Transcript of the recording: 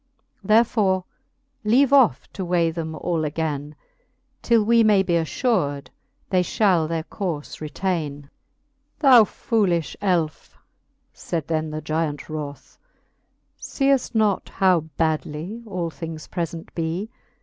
Therefore leave off to weigh them all againe, Till we may be affur'd they fhall their courfe retaine. XXXVII. Thou foolifhe elfe, faid then the gyant wroth, Seeft not how badly all things prefent bee.